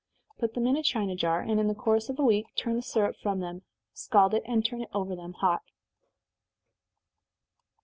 Put them in a china jar, and in the course of a week turn the syrup from them, scald it, and turn it over them hot.